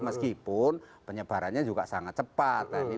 meskipun penyebarannya juga sangat cepat